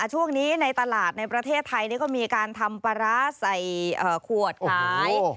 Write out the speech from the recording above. ช่วงนี้ในตลาดในประเทศไทยก็มีการทำปลาร้าใส่ขวดขาย